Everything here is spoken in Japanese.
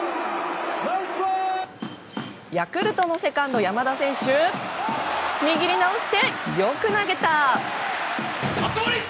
ヤクルトのセカンド、山田選手握り直して、よく投げた！